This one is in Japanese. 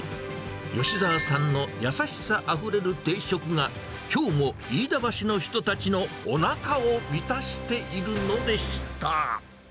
吉澤さんの優しさあふれる定食が、きょうも飯田橋の人たちのおなかを満たしているのでした。